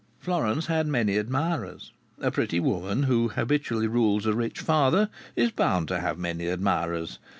Florence had many admirers; a pretty woman, who habitually rules a rich father, is bound to have many admirers.